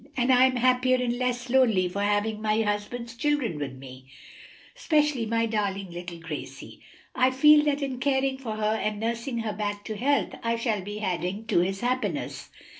And I am happier and less lonely for having my husband's children with me, especially my darling little Gracie. I feel that in caring for her and nursing her back to health I shall be adding to his happiness."